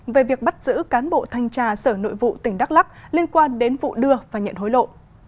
về việc bắt giữ cán bộ thanh tra sở nội vụ tỉnh đắk lắc liên quan đến vụ đưa và nhận hối lộ